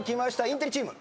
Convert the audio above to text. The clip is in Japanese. インテリチーム。